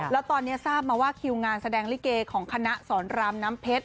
แล้วตอนนี้ทราบมาว่าคิวงานแสดงลิเกของคณะสอนรามน้ำเพชร